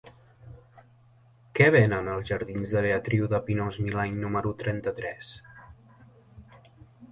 Què venen als jardins de Beatriu de Pinós-Milany número trenta-tres?